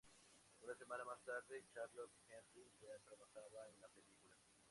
Una semana más tarde Charlotte Henry ya trabajaba en la película.